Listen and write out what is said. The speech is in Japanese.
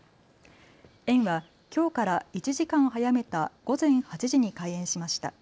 園はきょうから１時間早めた午前８時に開園しました。